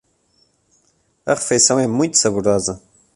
A refeição é muito saborosa.